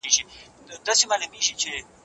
کندهار په وینو سور دی د زلمیو جنازې دي